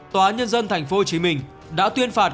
tòa án nhân dân tp hcm đã tuyên phạt